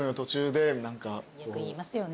よく言いますよね。